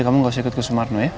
kamu gak usah ikut ke sumarno ya